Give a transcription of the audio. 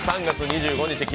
３月２５日